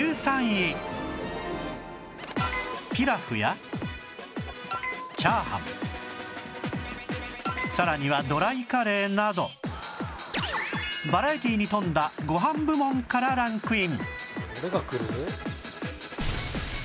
ピラフや炒飯さらにはドライカレーなどバラエティーに富んだご飯部門からランクイン